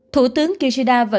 thủ tướng kishida đã đảm bảo